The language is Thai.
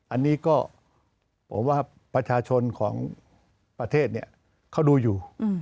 อันนี้ก็ผมว่าประชาชนของประเทศเขาดูอยู่